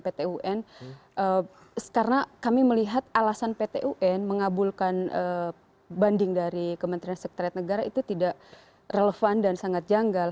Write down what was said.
ptun karena kami melihat alasan ptun mengabulkan banding dari kementerian sekretariat negara itu tidak relevan dan sangat janggal